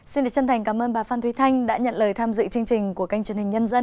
xin được chân thành cảm ơn bà phan thúy thanh đã nhận lời tham dự chương trình của kênh truyền hình nhân dân